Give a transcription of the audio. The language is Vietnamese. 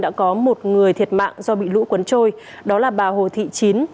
đã có một người thiệt mạng do bị lũ cuốn trôi đó là bà hồ thị chín